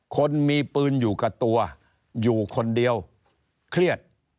คนมีปืนอยู่กับตัวอยู่คนเดียวเครียด